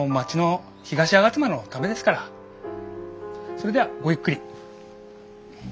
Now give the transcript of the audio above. それではごゆっくり。